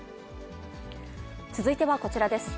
続いてはこちらです。